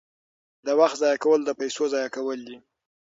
د وخت ضایع کول د پیسو ضایع کول دي.